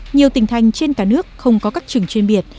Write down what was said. nhiều tỉnh thành trên cả nước không có các trường chuyên biệt